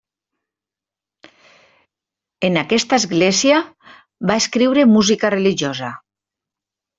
En aquesta església, va escriure música religiosa.